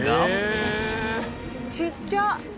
ちっちゃ！